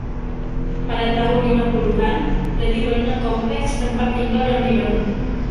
Pada tahun lima puluhan, lebih banyak kompleks tempat tinggal yang dibangun.